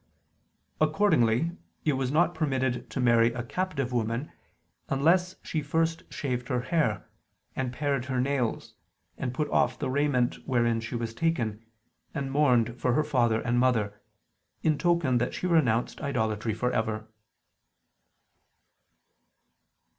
Accordingly it was not permitted to marry a captive woman unless she first shaved her hair, and pared her nails, and put off the raiment wherein she was taken, and mourned for her father and mother, in token that she renounced idolatry for ever.